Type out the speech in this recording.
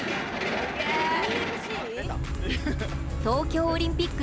東京オリンピック